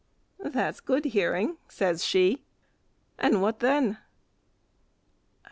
"That's good hearing," says she, "and what then?"